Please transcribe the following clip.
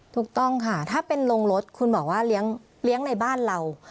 ถูกต้องค่ะถ้าเป็นโรงรถคุณบอกว่าเลี้ยงในบ้านเรา